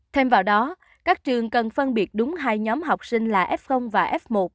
thêm vào đó các trường cần phân biệt đúng hai nhóm học sinh là f và f một